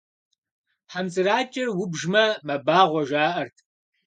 Хьэмцӏыракӏэр убжмэ, мэбагъуэ, жаӏэрт.